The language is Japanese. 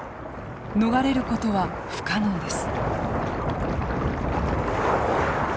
逃れることは不可能です。